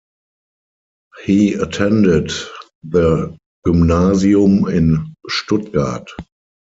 He attended the Gymnasium in Stuttgart.